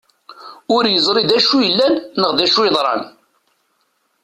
Ur yeẓri d acu yellan neɣ d acu yeḍran.